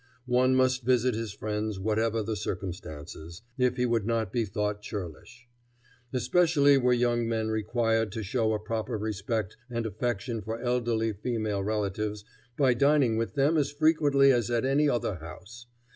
One must visit his friends, whatever the circumstances, if he would not be thought churlish. Especially were young men required to show a proper respect and affection for elderly female relatives by dining with them as frequently as at any other house.